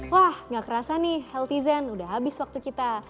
wah gak kerasa nih healthy zen udah habis waktu kita